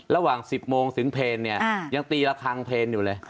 ระหว่างสิบโมงถึงเพลนเนี่ยยังตีแล้วทางเพลนอยู่เลย